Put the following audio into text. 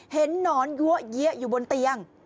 หนอนยั้วเยี้ยอยู่บนเตียง